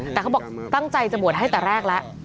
แต่เขาบอกตั้งใจจะบวชให้แต่แรกแล้ว